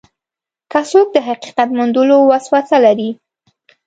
که څوک د حقیقت موندلو وسوسه لري.